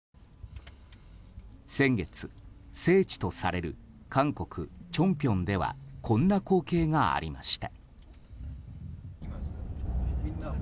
先月、聖地とされる韓国チョンピョンではこんな光景がありました。